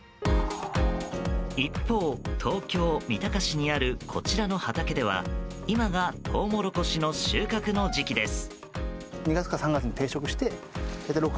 一方、東京・三鷹市にあるこちらの畑では今がトウモロコシの収穫の時期です。